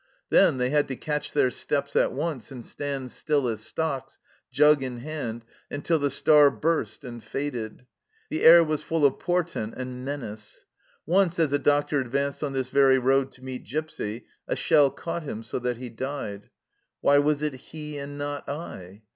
Then they had to catch their steps at once and stand still as stocks, jug in hand, until the star burst and faded. The air was full of portent and menace. Once as a doctor advanced on this very road to meet Gipsy a shell caught him, so that he died. " Why was it he, and not I